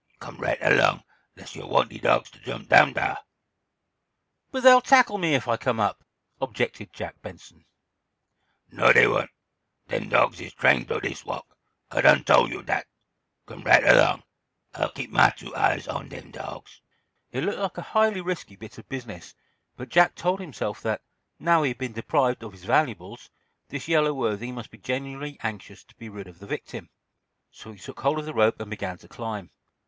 Come right erlong, 'less yo' wants de dawgs ter jump down dar." "But they'll tackle me if I come up," objected Jack Benson. "No, dey won't. Dem dawgs is train' to dis wo'k. Ah done tole yo' dat. Come right erlong. Ah'll keep my two eyes on dem dawgs." It looked like a highly risky bit of business, but Jack told himself that, now he had been deprived of his valuables, this yellow worthy must be genuinely anxious to be rid of the victim. So he took hold of the rope and began to climb.